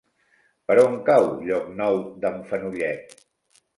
Per on cau Llocnou d'en Fenollet?